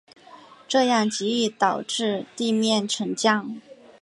这样极易导致地面沉降。